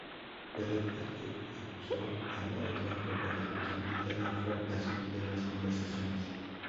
Cada parte acusó a la otra por la responsabilidad del fracaso de las conversaciones.